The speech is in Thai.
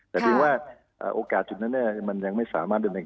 แต่คือโอกาสจุดนั้นมันยังไม่สามารถยุ่นมา